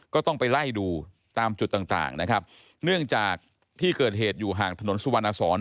ก็ต้องไปไล่ดูตามจุดต่างต่างนะครับเนื่องจากที่เกิดเหตุอยู่ห่างถนนสุวรรณสอน